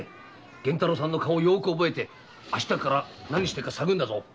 源太郎さんの顔をよく覚えて明日から何してるか探るんだぞ。